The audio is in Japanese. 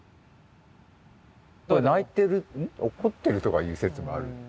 これ泣いてる怒ってるとかいう説もある。